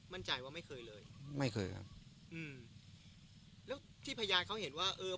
มั่นใจว่าไม่เคยเลยไม่เคยครับอืมแล้วที่พยานเขาเห็นว่าเออ